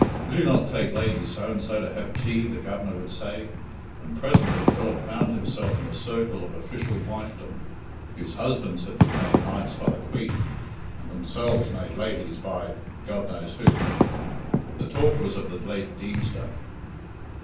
"Will you not take Lady So and so to have tea?" the Governor would say; and presently Philip found himself in a circle of official wifedom, whose husbands had been made Knights by the Queen, and themselves made Ladies by God knows whom. The talk was of the late Deemster.